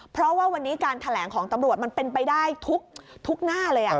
เพราะว่าวันนี้การแถลงของตำรวจมันเป็นไปได้ทุกหน้าเลย